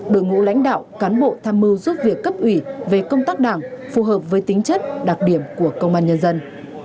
đội ngũ lãnh đạo cán bộ tham mưu giúp việc cấp ủy về công tác đảng phù hợp với tính chất đặc điểm của công an nhân dân